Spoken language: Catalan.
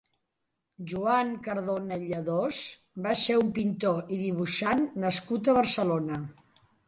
Joan Cardona i Lladós va ser un pintor i dibuixant nascut a Barcelona.